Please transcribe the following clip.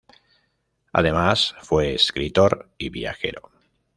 Además fue escritor y viajero.